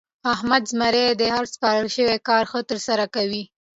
احمد زمری دی؛ هر سپارل شوی کار ښه ترسره کوي.